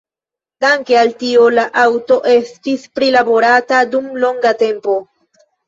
Danke al tio la aŭto estis prilaborata dum longa tempo.